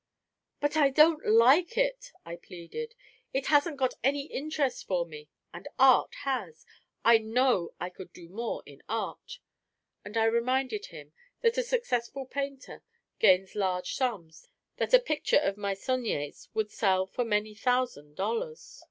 "But I don't like it," I pleaded. "It hasn't got any interest for me, and art has. I know I could do more in art," and I reminded him that a successful painter gains large sums; that a picture of Meissonier's would sell for many thousand dollars.